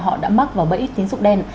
họ đã mắc vào bẫy tín dụng đen